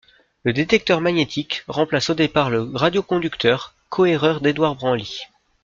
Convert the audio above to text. Le détecteur magnétique remplace au départ le radioconducteur, cohéreur d'Édouard Branly.